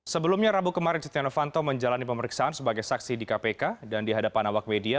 sebelumnya rabu kemarin setia novanto menjalani pemeriksaan sebagai saksi di kpk dan di hadapan awak media